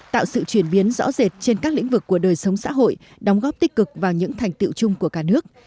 tạo sự chuyển biến rõ rệt trên các lĩnh vực của đời sống xã hội đóng góp tích cực vào những thành tiệu chung của cả nước